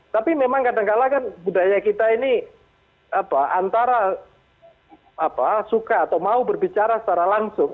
tapi memang kadangkala kan budaya kita ini antara suka atau mau berbicara secara langsung